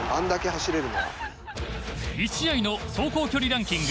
１試合の走行距離ランキング